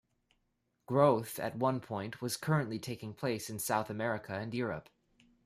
Growth at one point was currently taking place in South America and Europe.